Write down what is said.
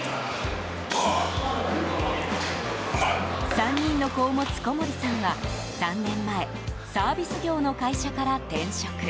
３人の子を持つ小森さんは３年前サービス業の会社から転職。